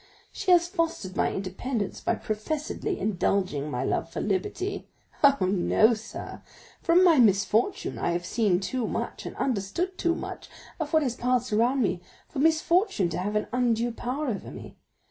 She has fostered my independence by professedly indulging my love for liberty. Oh, no, sir; from my childhood I have seen too much, and understood too much, of what has passed around me, for misfortune to have an undue power over me.